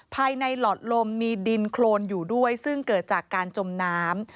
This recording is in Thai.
หลอดลมมีดินโครนอยู่ด้วยซึ่งเกิดจากการจมน้ำ